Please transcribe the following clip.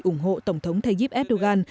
ủng hộ tổng thống tayyip erdogan